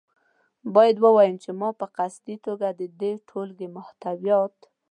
باید ووایم چې ما په قصدي توګه د دې ټولګې محتویات.